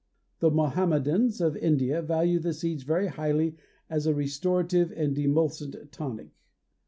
The Mohammedans of India value the seeds very highly as a restorative and demulcent tonic.